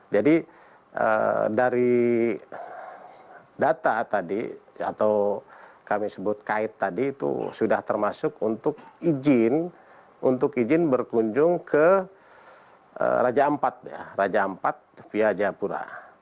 jadi dari data tadi atau kami sebut kait tadi itu sudah termasuk untuk izin berkunjung ke raja ampat via japura